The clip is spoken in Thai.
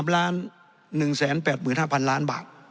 ๑๘๕๐๐ล้านบาท